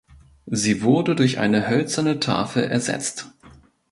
Sie wurde durch eine hölzerne Tafel ersetzt.